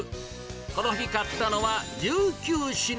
この日買ったのは１９品。